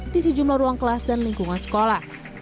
di sejumlah ruang kelas dan lingkungan sekolah